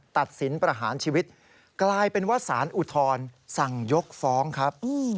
ตัดสินประหารชีวิตกลายเป็นว่าสารอุทธรสั่งยกฟ้องครับ